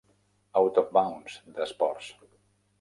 "Out of Bounds" de Sports.